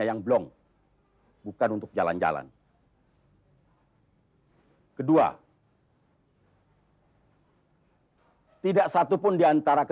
jangan berkata dia punya sim